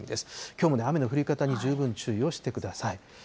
きょうも雨の降り方に十分注意をしてください。